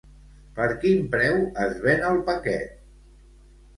Per quin preu es ven el paquet?